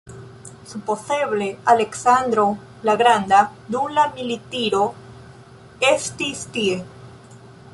Supozeble Aleksandro la Granda dum la militiro estis tie.